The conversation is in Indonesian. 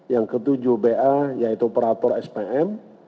yang ketujuh ba yaitu operator spm